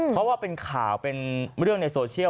เพราะว่าเป็นข่าวเป็นเรื่องในโซเชียล